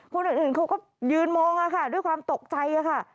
คนอื่นเขาก็ยืนมองค่ะด้วยความตกใจค่ะ